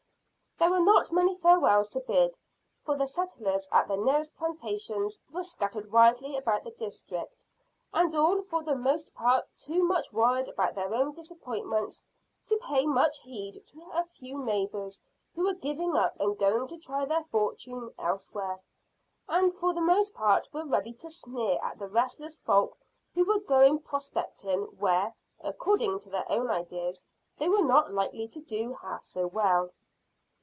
There were not many farewells to bid, for the settlers at the nearest plantations were scattered widely about the district, and all for the most part too much worried about their own disappointments to pay much heed to a few neighbours who were giving up and going to try their fortune elsewhere, and for the most part were ready to sneer at the restless folk who were going prospecting where, according to their own ideas, they were not likely to do half so well.